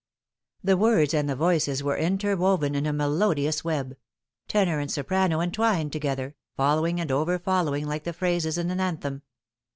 The words and the voices were interwoven in a melodious web ; tenor and soprano entwined together following and ever following like the phrases in an anthem.